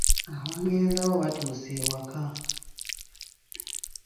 Abangereza bo batuuse ewaka.